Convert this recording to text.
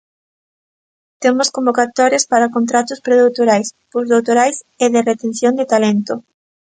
Temos convocatorias para contratos predoutorais, posdoutorais e de retención de talento.